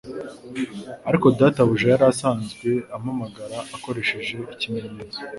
Ariko databuja yari asanzwe ampamagara akoresheje ibimenyetso